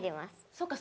そうか。